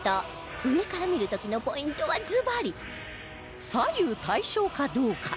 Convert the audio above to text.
上から見る時のポイントはずばり左右対称かどうか